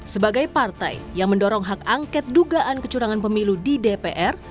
sebagai partai yang mendorong hak angket dugaan kecurangan pemilu di dpr